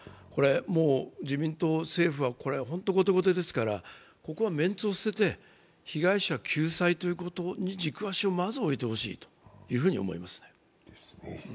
もう自民党、政府は後手後手ですから、ここはメンツを捨てて被害者救済ということに軸足をまず置いてほしいというふうに思いますね。